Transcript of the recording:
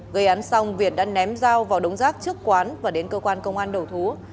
gây án xong việt đã ném dao vào đống rác trước quán và đến cơ quan công an đầu thú